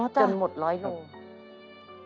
จนหมดร้อยโลกาทีอ๋อจ้ะ